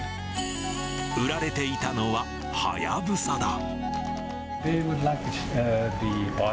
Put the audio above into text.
売られていたのは、ハヤブサだ。